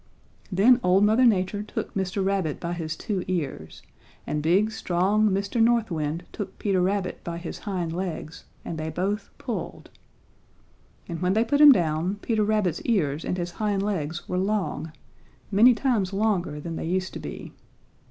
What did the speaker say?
"Then old Mother Nature took Mr. Rabbit by his two ears and big, strong Mr. North Wind took Peter Rabbit by his hind legs, and they both pulled. And when they put him down Peter Rabbit's ears and his hind legs were long, many times longer than they used to be.